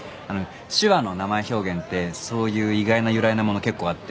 手話の名前表現ってそういう意外な由来なもの結構あって。